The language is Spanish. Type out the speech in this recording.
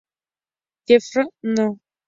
Jefferson No.